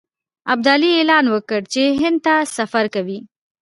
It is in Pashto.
ابدالي اعلان وکړ چې هند ته سفر کوي.